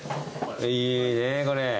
いいねこれ。